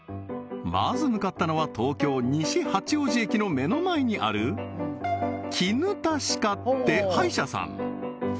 まず向かったのは東京・西八王子駅の目の前にあるきぬた歯科って歯医者さん